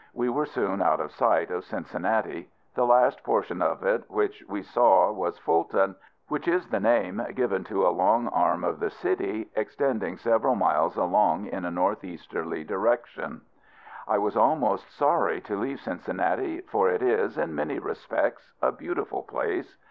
We were soon out of sight of Cincinnati. The last portion of it which we saw was Fulton which is the name given to a long arm of the city, extending several miles along in a north eastern direction. I was almost sorry to leave Cincinnati, for it is, in many respects, a beautiful place.